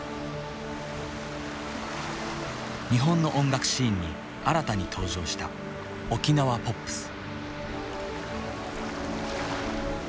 日本の音楽シーンに新たに登場した沖縄ポップス。